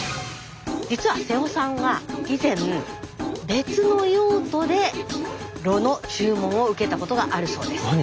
実は瀬尾さんは以前別の用途で櫓の注文を受けたことがあるそうです。